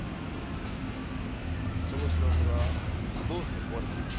それがどうして壊れたのです？